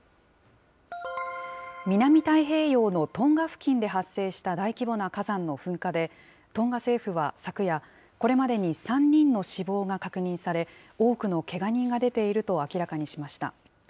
南太平洋のトンガ付近で発生した大規模な火山の噴火で、トンガ政府は昨夜、これまでに３人の死亡が確認され、多くのけが人が出ていると明らかにしました。